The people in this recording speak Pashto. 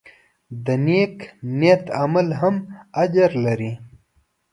د نیک نیت عمل هم اجر لري.